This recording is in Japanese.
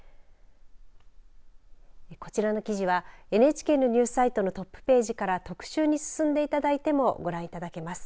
こちらの記事はＮＨＫのニュースサイトのトップページから特集に進んでいただいてもご覧いただけます。